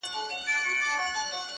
• د مجسمې انځور هر ځای ځوړند ښکاري,